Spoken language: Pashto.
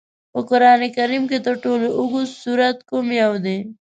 په قرآن کریم کې تر ټولو لوږد سورت کوم یو دی؟